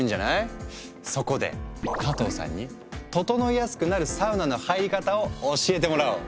そこで加藤さんにととのいやすくなるサウナの入り方を教えてもらおう。